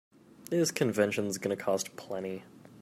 This convention's gonna cost plenty.